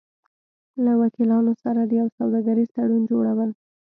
-له وکیلانو سره د یو سوداګریز تړون جوړو ل